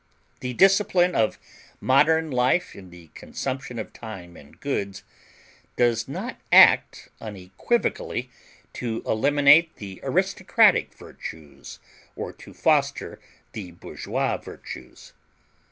The discipline of modern life in the consumption of time and goods does not act unequivocally to eliminate the aristocratic virtues or to foster the bourgeois virtues.